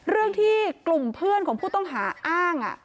เรื่องที่กลุ่มเพื่อนของผู้ต้องหาอ้าง